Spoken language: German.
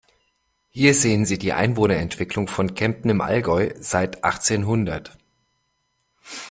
Hier sehen Sie die Einwohnerentwicklung von Kempten im Allgäu seit achtzehnhundert.